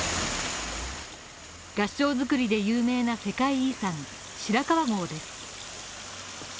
合掌造りで有名な世界遺産・白川郷です。